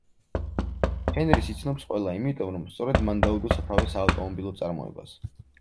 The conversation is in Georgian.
ჰენრის იცნობს ყველა იმიტომ, რომ სწორედ მან დაუდო სათავე საავტომობილო წარმოებას.